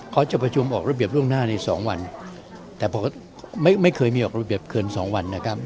เขาจะประชุมออกระเบียบล่วงหน้าในสองวันแต่ผมก็ไม่เคยมีออกระเบียบเกินสองวันนะครับ